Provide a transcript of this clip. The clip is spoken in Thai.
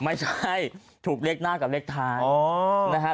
ไม่ใช่ถูกเลขหน้ากับเลขท้ายนะฮะ